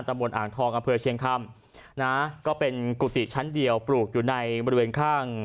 ตำรวจอ่างทองอำเภอเชียงคำนะก็เป็นกุฏิชั้นเดียวปลูกอยู่ในบริเวณข้าง